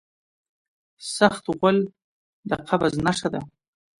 سخت غول د قبض نښه ده.